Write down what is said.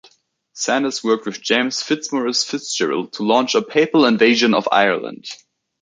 Sanders worked with James Fitzmaurice Fitzgerald to launch a papal invasion of Ireland.